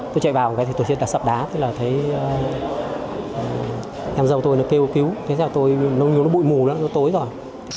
tôi chạy vào thì tôi thấy đá sập đá thế là thấy em giàu tôi nó kêu cứu thế là tôi nó bụi mù lắm nó tối rồi